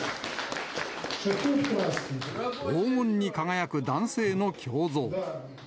黄金に輝く男性の胸像。